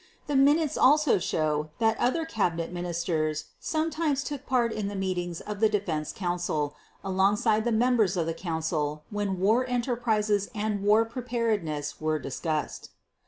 The minutes also show that other Cabinet Ministers sometimes took part in the meetings of the Defense Council alongside the members of the Council when war enterprises and war preparedness were discussed.